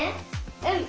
うん！